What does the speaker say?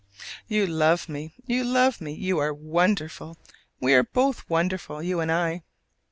You love me, you love me; you are wonderful! we are both wonderful, you and I.